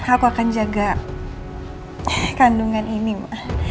aku akan jaga kandungan ini mbak